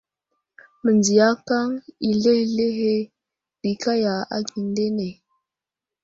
Mənziyakaŋ i zləhəzləhe ɗi kaya akindene.